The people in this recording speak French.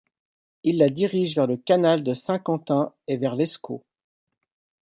Ils la dirigent vers le Canal de Saint-Quentin et vers l’Escaut.